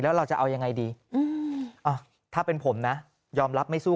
แล้วเราจะเอายังไงดีถ้าเป็นผมนะยอมรับไม่สู้